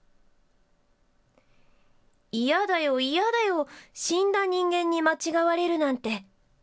嫌だよ、嫌だよ、死んだ人間に間違われるなんて。